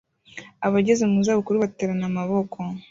Abageze mu zabukuru baterana amaboko